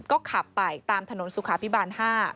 ก็ขับไปตามถนนสุขาพิบาล๕